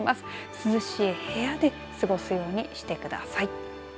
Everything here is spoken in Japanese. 涼しい部屋で過ごすようにしてください。